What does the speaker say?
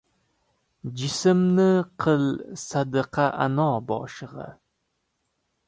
Jismni qil sadqa ano boshig‘a.